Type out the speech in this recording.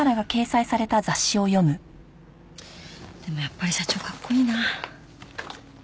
でもやっぱり社長かっこいいなあ。